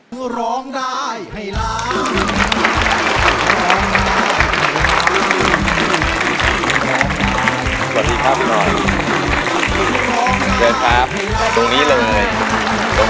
มองตาให้ร้าง